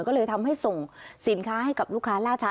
ก็เลยทำให้ส่งสินค้าให้กับลูกค้าล่าช้า